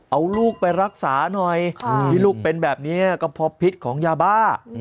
เอาลูกไปรักษาหน่อยที่ลูกเป็นแบบนี้ก็เพราะพิษของยาบ้า